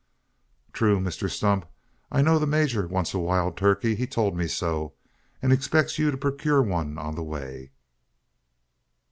"True, Mr Stump. I know the major wants a wild turkey. He told me so; and expects you to procure one on the way."